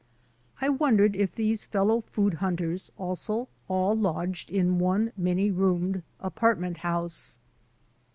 I wondered if these fellow food hunters also all lodged in one many roomed apartment house.